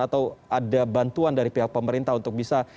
atau ada bantuan dari pihak pemerintah untuk bisa